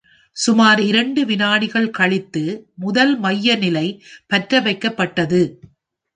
சுமார் இரண்டு விநாடிகள் கழித்து, முதல் மைய நிலை பற்றவைக்கப்பட்டது.